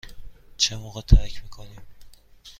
چه موقع ترک می کنیم؟